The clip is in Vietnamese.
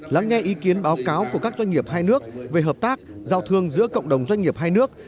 lắng nghe ý kiến báo cáo của các doanh nghiệp hai nước về hợp tác giao thương giữa cộng đồng doanh nghiệp hai nước